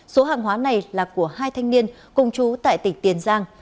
số hàng hóa này là của hai thanh niên cùng chú tại tỉnh tiền giang